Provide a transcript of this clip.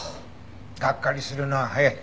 がっかりするのは早い。